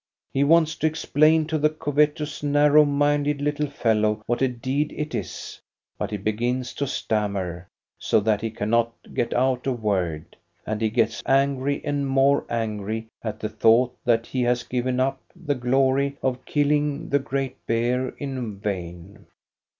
He wants to explain to the covetous, narrow minded little fellow what a deed it is, but he begins to stammer, so that he cannot get out a word. And he gets angry and more angry at the thought that he has given up the glory of killing the great bear in vain.